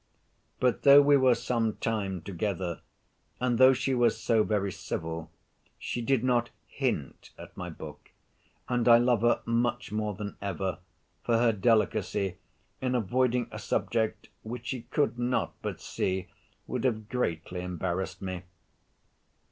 But though we were some time together, and though she was so very civil, she did not hint at my book, and I love her much more than ever for her delicacy in avoiding a subject which she could not but see would have greatly embarrassed me.